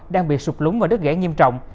đang bị sụp lúng và đứt ghẽ nghiêm trọng